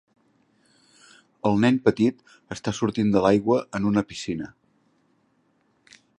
El nen petit està sortint de l'aigua en una piscina.